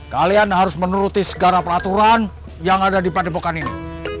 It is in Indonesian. kalian harus menuruti segala peraturan yang ada di padepokan ini